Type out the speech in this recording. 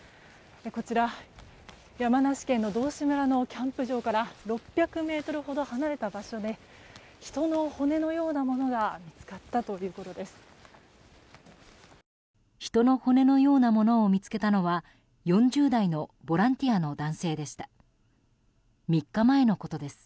こちら、山梨県の道志村のキャンプ場から６００ｍほど離れた場所で人の骨のようなものが見つかったということです。